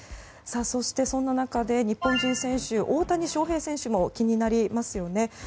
そして、そんな中で日本人選手大谷翔平選手も気になりますよね。